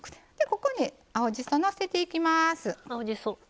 ここに青じそのせていきます。青じそ。